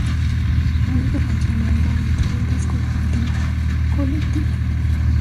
La única canción nueva dentro del disco es la última,「Collective」.